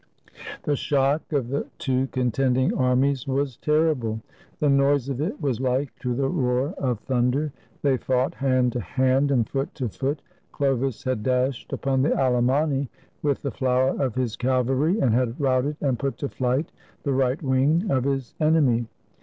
The shock of the two contending armies was terrible. The noise of it was like to the roar of thunder. They fought hand to hand and foot to foot. Chlovis had dashed upon the Alemanni with the flower of his cavalry, and had routed and put to flight the right wing of his enemy.